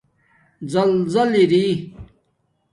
زَل زل اری